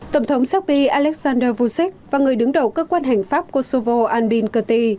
tổng thống serbia alexander vucic và người đứng đầu cơ quan hành pháp kosovo albin kerti